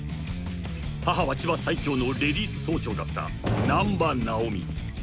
［母は千葉最強のレディース総長だった難破ナオミ］